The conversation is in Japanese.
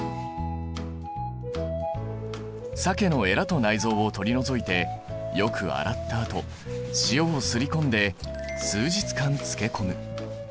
鮭のえらと内臓を取り除いてよく洗ったあと塩をすり込んで数日間漬け込む。